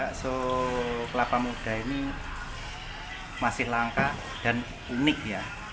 bakso kelapa muda ini masih langka dan unik ya